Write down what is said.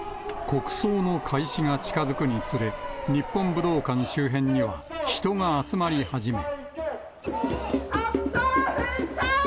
国葬の開始が近づくにつれ、日本武道館周辺には人が集まり始め。